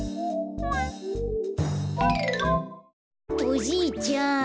おじいちゃん